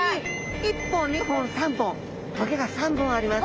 １本２本３本棘が３本あります。